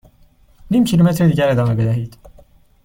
نیم کیلومتر دیگر ادامه بدهید.